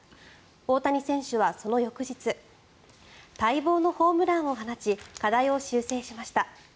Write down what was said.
大谷選手はその翌日待望のホームランを放ち課題を修正しました。